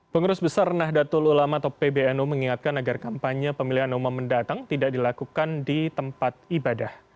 pengurus besar nahdlatul ulama atau pbnu mengingatkan agar kampanye pemilihan umum mendatang tidak dilakukan di tempat ibadah